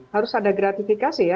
harus ada gratifikasi ya